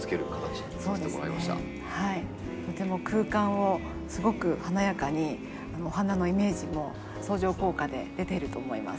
とても空間をすごく華やかにお花のイメージも相乗効果で出てると思います。